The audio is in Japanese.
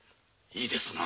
いいですな。